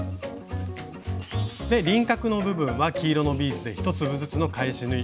輪郭の部分は黄色のビーズで１粒ずつの返し縫い。